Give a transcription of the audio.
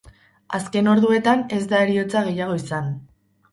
Azken orduetan ez da heriotza gehiago izan.